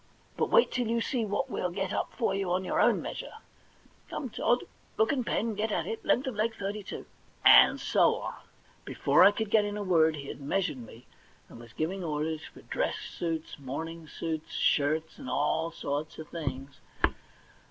But wait till you see what we'll get up for you on your own measure. Come, Tod, book and pen ; get at it. Length of leg, 32 '— and so on. Before I could get in a word he had measured me, and was giving orders for dress suits, THE £1,000,000 BANK NOTE 15 morning suits, shirts, and all sorts of things.